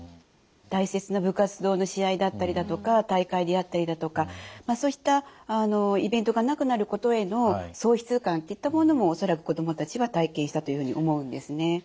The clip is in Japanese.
大切な部活動の試合だったりだとか大会であったりだとかそういったイベントがなくなることへの喪失感っていったものも恐らく子どもたちは体験したというふうに思うんですね。